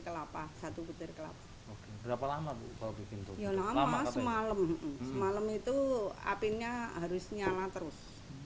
ya lama semalam semalam itu apinya harus nyala terus